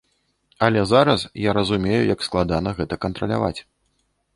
Але зараз я разумею, як складана гэта кантраляваць.